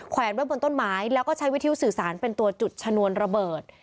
แวนไว้บนต้นไม้แล้วก็ใช้วิทยุสื่อสารเป็นตัวจุดชนวนระเบิด